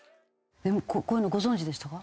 こういうのご存じでしたか？